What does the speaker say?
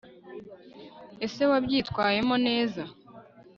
ese wabyitwayemo neza